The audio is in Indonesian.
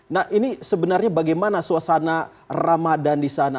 nah ini sebenarnya bagaimana suasana ramadan di sana